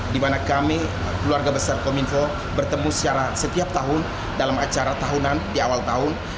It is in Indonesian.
di mana kami keluarga besar kominfo bertemu secara setiap tahun dalam acara tahunan di awal tahun